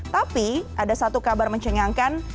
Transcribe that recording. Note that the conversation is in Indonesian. tapi ada satu kabar mencengangkan